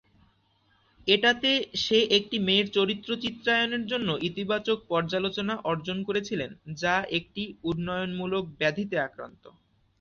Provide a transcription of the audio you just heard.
এটাতে সে একটি মেয়ের চরিত্র চিত্রায়নের জন্য ইতিবাচক পর্যালোচনা অর্জন করেছিলেন যা একটি উন্নয়নমূলক ব্যাধিতে আক্রান্ত।